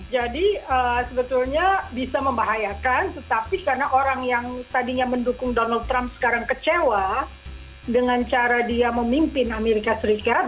jadi sebetulnya bisa membahayakan tetapi karena orang yang tadinya mendukung donald trump sekarang kecewa dengan cara dia memimpin amerika serikat